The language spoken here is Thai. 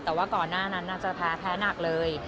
เพราะว่าก่อนหน้านั้นน่าจะแพ้หนักเลย